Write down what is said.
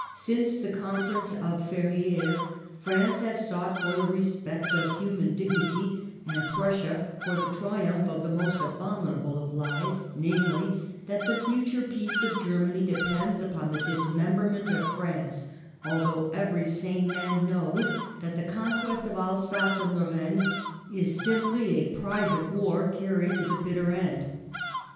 "Since the conference of Ferrieres France has sought for the respect of human dignity, and Prus 104 PASTEUR sia for the triumph of the most abominable of lies, namely, that the future peace of Germany depends upon the dismemberment of France, although every sane man knows that the conquest of Alsace and Lorraine is simply a prize of war carried to the bit ter end.